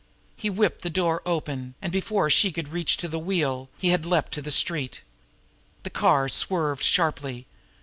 He whipped the door open, and, before she could reach to the wheel, he had leaped to the street. The car swerved sharply.